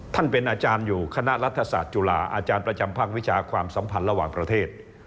เป็นอาจารย์อยู่คณะรัฐศาสตร์จุฬาอาจารย์ประจำภาควิชาความสัมพันธ์ระหว่างประเทศ